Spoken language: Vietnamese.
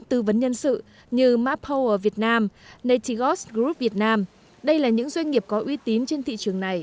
tư vấn nhân sự như mapower việt nam natigos group việt nam đây là những doanh nghiệp có uy tín trên thị trường này